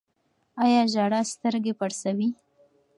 آیا ژړا سترګې پړسوي؟